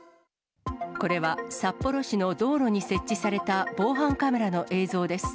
これは札幌市の道路に設置された防犯カメラの映像です。